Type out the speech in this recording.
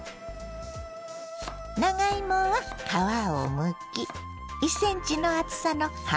長芋は皮をむき１ｃｍの厚さの半月切りに。